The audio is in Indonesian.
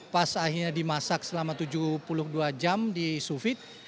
pas akhirnya dimasak selama tujuh puluh dua jam di sous vide